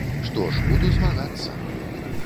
Што ж, буду змагацца.